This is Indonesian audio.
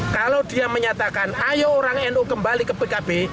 kalau dia menyatakan ayo orang nu kembali ke pkb